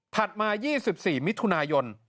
มา๒๔มิถุนายน